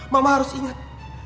mama harus ingat